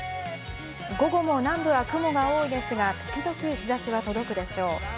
午後も南部は雲が多いですが、時々、日差しは届くでしょう。